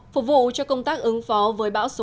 phục vụ cho công tác ứng phó với bão số một mươi